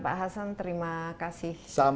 pak hasan terima kasih